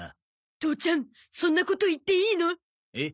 父ちゃんそんなこと言っていいの？えっ？